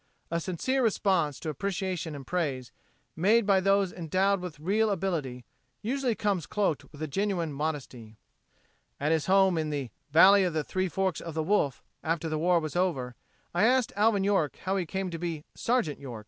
A sincere response to appreciation and praise, made by those endowed with real ability, usually comes cloaked in a genuine modesty. At his home in the "Valley of the Three Forks o' the Wolf," after the war was over, I asked Alvin York how he came to be "Sergeant York."